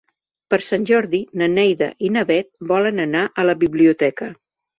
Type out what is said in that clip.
Per Sant Jordi na Neida i na Bet volen anar a la biblioteca.